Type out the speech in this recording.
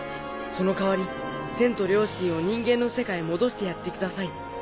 その代わり千と両親を人間の世界へ戻してやってください。